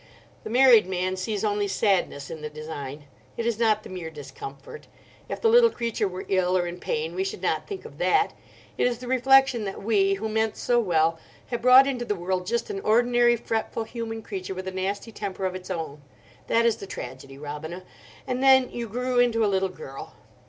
The married man sees only sadness in the design. It is not the mere discomfort. If the little creature were ill or in pain we should not think of that. It is the reflection that we, who meant so well, have brought into the world just an ordinary fretful human creature with a nasty temper of its own: that is the tragedy, Robina. And then you grew into a little girl.